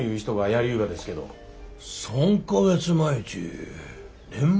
３か月前ち年末？